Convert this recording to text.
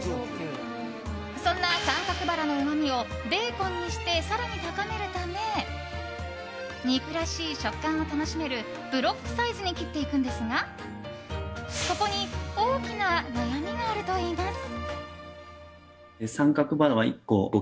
そんな三角バラのうまみをベーコンにして更に高めるため肉らしい食感を楽しめるブロックサイズに切っていくのですがここに大きな悩みがあるといいます。